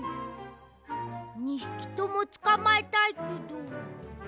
２ひきともつかまえたいけど。